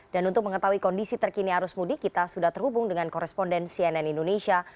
dan untuk mengetahui kondisi terkini arus mudik kita sudah terhubung dengan koresponden cnn indonesia